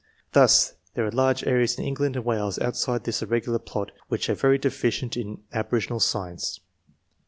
Thus there are large areas in England and Wales outside this irregular plot which are very deficient in aboriginal science.